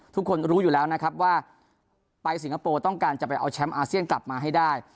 ทุกคนรู้อยู่แล้วนะครับว่าไปสิงคโปร์ต้องการจะไปเอาแชมป์อาเซียนกลับมาให้ได้